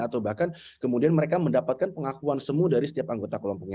atau bahkan kemudian mereka mendapatkan pengakuan semua dari setiap anggota kelompoknya